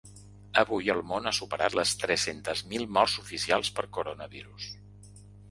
Avui el món ha superat les tres-cents mil morts oficials per coronavirus.